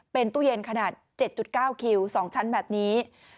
เป็นตู้เย็นขนาด๗๙คิว๒ชั้นแบบนี้